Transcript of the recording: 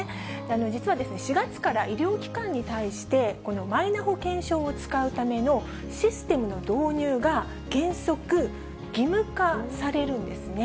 実は４月から医療機関に対して、このマイナ保険証を使うためのシステムの導入が原則義務化されるんですね。